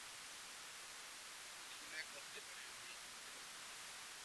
কী না করতে পারি আমি!